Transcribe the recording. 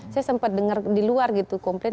saya sempat dengar di luar gitu komplain